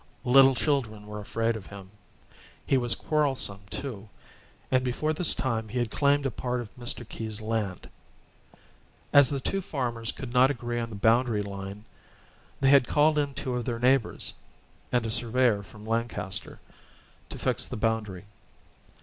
Little children were afraid of him. He was quarrelsome, too; and before this time he had claimed a part of Mr. Keyes' land. As the two farmers could not agree upon the boundary line, they had called in two of their neighbors, and a surveyor from Lancaster, to fix the boundary.